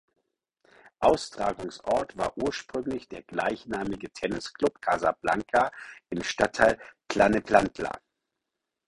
Austragungsort war ursprünglich der gleichnamige Tennisclub Casablanca im Stadtteil Tlalnepantla.